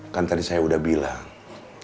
kan tadi saya sudah bilang